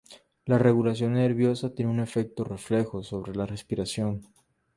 La regulación nerviosa tiene un efecto reflejo sobre la respiración.